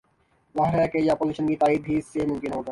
ظاہر ہے کہ یہ اپوزیشن کی تائید ہی سے ممکن ہو گا۔